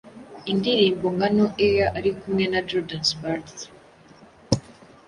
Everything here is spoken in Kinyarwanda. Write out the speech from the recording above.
indirimbo nka No Air ari kumwe na Jordan Sparks